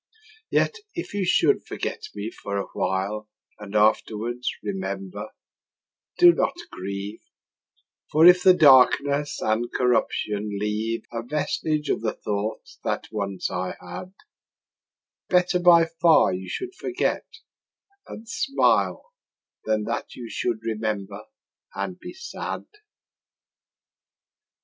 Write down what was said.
Yet if you should forget me for a while And afterwards remember, do not grieve: For if the darkness and corruption leave A vestige of the thoughts that once I had, Better by far you should forget and smile Than that you should remember and be sad.